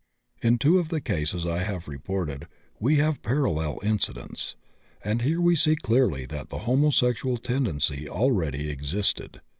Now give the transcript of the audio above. In two of the cases I have reported we have parallel incidents, and here we see clearly that the homosexual tendency already existed.